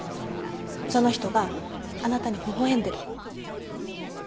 その人があなたにほほ笑んでる。